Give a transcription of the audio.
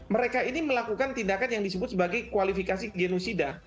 mereka ini melakukan tindakan yang disebut sebagai kualifikasi genosida